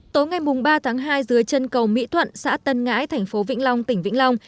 tối ngày ba tháng hai dưới chân cầu mỹ thuận xã tân ngãi thành phố vĩnh long tỉnh vĩnh long